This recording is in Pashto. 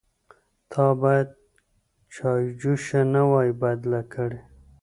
_تا بايد چايجوشه نه وای بدله کړې.